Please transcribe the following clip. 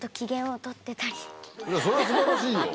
それは素晴らしいよ！